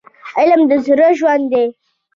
علم د زړه ژوند دی.